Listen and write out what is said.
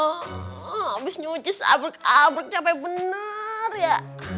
habis nyuci sabrek abrek sampai benar ya